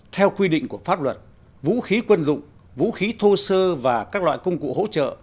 theo quy định của pháp luật vũ khí quân dụng vũ khí thô sơ và các loại công cụ hỗ trợ